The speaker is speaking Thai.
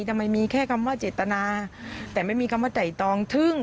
ทำไมมีแค่คำว่าเจตนาแต่ไม่มีคำว่าไต่ตองทึ่ง